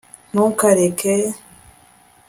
ntukareke